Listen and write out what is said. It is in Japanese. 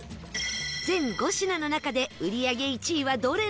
全５品の中で売り上げ１位はどれなのか？